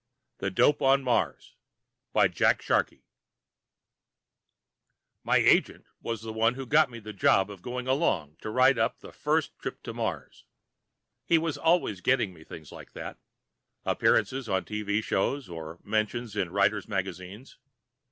_ Illustrated by WOOD My agent was the one who got me the job of going along to write up the first trip to Mars. He was always getting me things like that appearances on TV shows, or mentions in writers' magazines.